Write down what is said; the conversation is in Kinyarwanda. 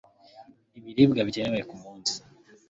ibribwa bikenewe ku munsi